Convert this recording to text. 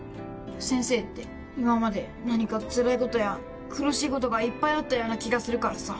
先生って今まで何かつらいことや苦しいことがいっぱいあったような気がするからさ。